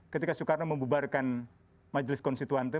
ketika soekarno membubarkan majelis konstituante